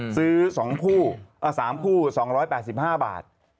ซื้อสองผู้สามผู้๒๘๕บาท